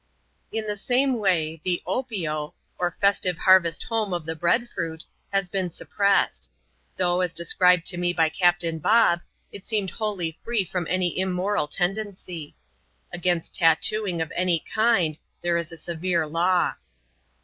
In the same way, the " Opio," or festive harvest home of the bread fruit, has been suppressed ; though, as described to me by Captain Bob, it seemed wholly free from any immoral tendency. Against tattooing, of any kind, there is a severe law.